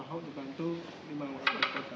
aku dibantu lima orang balai kota